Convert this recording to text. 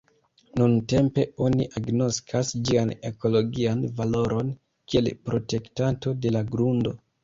Nuntempe oni agnoskas ĝian ekologian valoron kiel protektanto de la grundo.